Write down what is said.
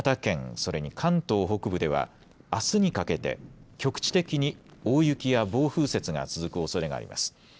それに関東北部ではあすにかけて局地的に大雪や暴風雪が続くおそれがあります。